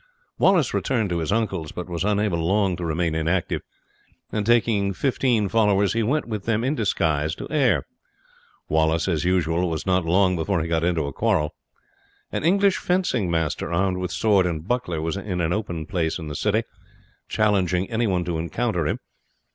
Wallace returned to his uncle's, but was unable long to remain inactive, and taking fifteen followers he went with them in disguise to Ayr. Wallace, as usual, was not long before he got into a quarrel. An English fencing master, armed with sword and buckler, was in an open place in the city, challenging any one to encounter him.